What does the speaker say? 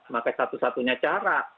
pakai satu satunya cara